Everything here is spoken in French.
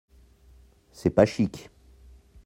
C’est pas chic !